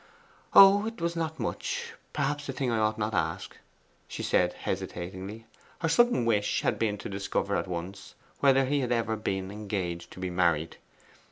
'Oh, it was not much perhaps a thing I ought not to ask,' she said hesitatingly. Her sudden wish had really been to discover at once whether he had ever before been engaged to be married.